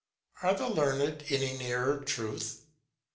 Are the learned any nearer truth?